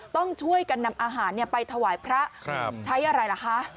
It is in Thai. ต้องช่วยกันนำอาหารไปถวายพระใช้อะไรล่ะคะ